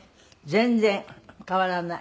全然変わらない。